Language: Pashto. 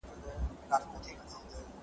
د څیړنیزو مرکزونو رول مهم دی.